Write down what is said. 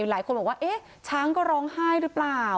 หลายคนบอกว่าเอ๊ะช้างก็ร้องไห้หรือเปล่า